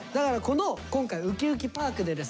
この今回「ウキウキパーク」でですね